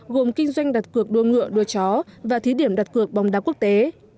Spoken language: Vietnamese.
gồm kinh doanh đặt cược đua ngựa đua chó và thí điểm đặt cược bóng đá quốc tế